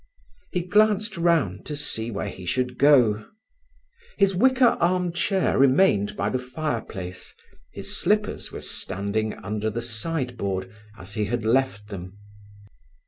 He glanced round to see where he should go. His wicker arm chair remained by the fireplace; his slippers were standing under the sideboard, as he had left them.